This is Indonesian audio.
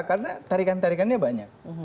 karena tarikan tarikannya banyak